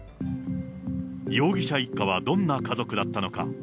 容疑者一家はどんな家族だったのか。